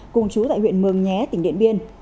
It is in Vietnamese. cùng chú tại huyện mường nhé tp điện biên